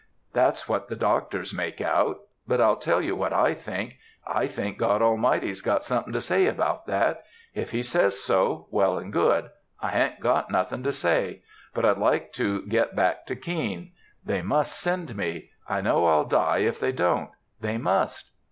That's what the doctors make out; but I'll tell you what I think: I think God Almighty's got something to say about that. If he says so, well and good, I ha'n't got nothin' to say. But I'd like to get back to Keene. They must send me. I know I'll die if they don't. They must."